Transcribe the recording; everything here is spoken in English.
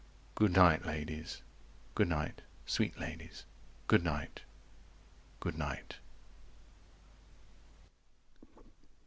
Good night, ladies, good night, sweet ladies, good night, good night.